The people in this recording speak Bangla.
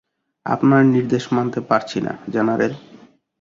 আপনার নির্দেশ মানতে পারছি না, জেনারেল।